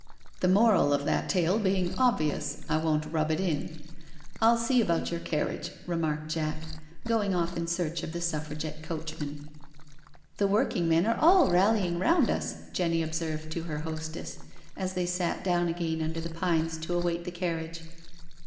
" The moral of that tale being obvious, I won't rub it in. I'll see about your carriage," remarked Jack, going off in search of the Suffragette coachman. " The working men are all rallying round us," Jenny observed to her hostess, as they sat down again under the pines to await the carriage.